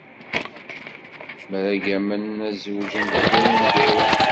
Mṛeggamen ad zewǧen deffir umgaru.